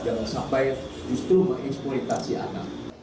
jangan sampai justru menginsploitasi anak